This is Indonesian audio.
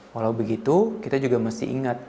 walau begitu kita juga mesti ingat